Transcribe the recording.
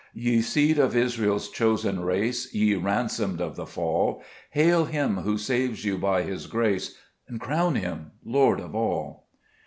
4 Ye seed of Israel's chosen race, Ye ransomed of the fall, Hail Him who saves you by His grace, And crown Him Lord of all.